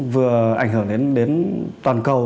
vừa ảnh hưởng đến toàn cầu